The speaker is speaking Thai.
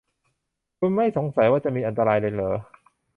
คุณไม่สงสัยว่าจะมีอันตรายอะไรเลยหรอ ?